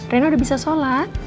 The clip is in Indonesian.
rena udah bisa sholat